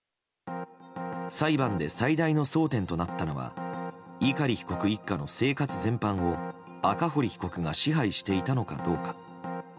裁判で最大の争点となったのは碇被告一家の生活全般を赤堀被告が支配していたのかどうか。